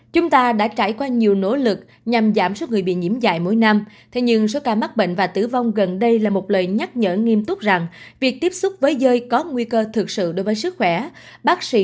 chúng ta đã trải qua nhiều nỗ lực nhằm giảm số người bị nhiễm dạy mỗi năm thế nhưng số ca mắc bệnh và tử vong gần đây là một lời nhắc nhở nghiêm túc rằng việc tiếp xúc với rơi có nguy cơ thực sự đối với sức khỏe bác sĩ ryan wallace chuyên gia về bệnh dạy của cdc mỹ nói